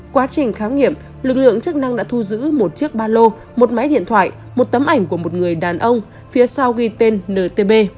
quá trình khám nghiệm lực lượng chức năng đã thu giữ một chiếc ba lô một máy điện thoại một tấm ảnh của một người đàn ông phía sau ghi tên ntb